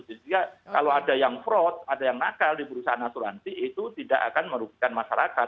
jadi kalau ada yang fraud ada yang nakal di perusahaan asuransi itu tidak akan merugikan masyarakat